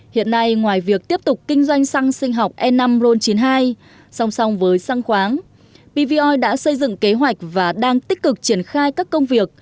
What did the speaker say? hiện nay ngoài việc tiếp tục kinh doanh xăng sinh học e năm ron chín mươi hai song song với săng khoáng pvoi đã xây dựng kế hoạch và đang tích cực triển khai các công việc